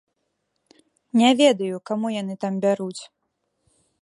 Не ведаю, каму яны там бяруць.